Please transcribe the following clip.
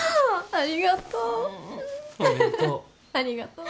ありがとう。